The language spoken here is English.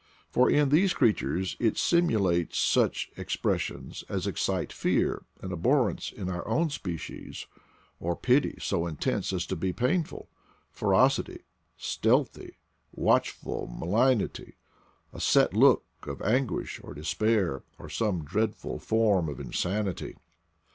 For in these crea tures it simulates such expressions as excite fear and abhorrence in our own species, or pity so intense as to be painful — ferocity, stealthy, watch ful malignity, a set look of anguish or despair, or some dreadful form of insanity.